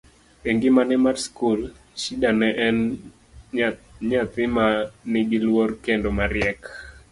e ngimane mar skul, Shida ne en nyadhi ma nigi luor kendo mariek